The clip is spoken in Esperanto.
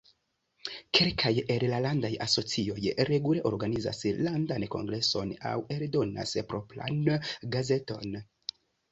Kelkaj el la landaj asocioj regule organizas landan kongreson aŭ eldonas propran gazeton.